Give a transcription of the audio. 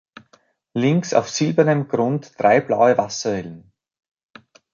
Links auf silbernem Grund drei blaue Wasserwellen.